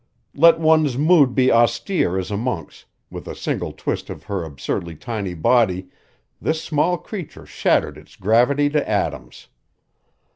Let one's mood be austere as a monk's, with a single twist of her absurdly tiny body this small creature shattered its gravity to atoms.